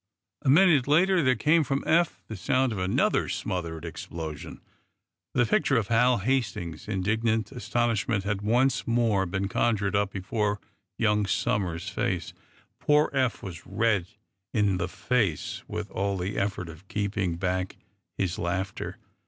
A minute later there came from Eph the sound of another smothered explosion. The picture of Hal Hastings's indignant astonishment had once more been conjured up before young Somers's face. Poor Eph was red in the face with all the effort of keeping back his laughter.